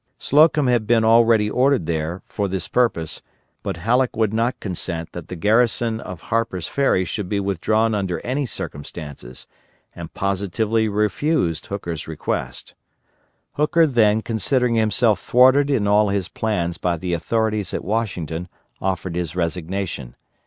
Slocum had been already ordered there, for this purpose, but Halleck would not consent that the garrison of Harper's Ferry should be withdrawn under any circumstances, and positively refused Hooker's request. Hooker then considering himself thwarted in all his plans by the authorities at Washington, offered his resignation.